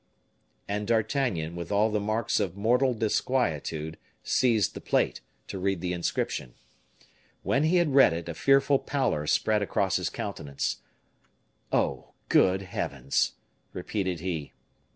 And D'Artagnan, with all the marks of mortal disquietude, seized the plate, to read the inscription. When he had read it, a fearful pallor spread across his countenance. "Oh! good heavens!" repeated he.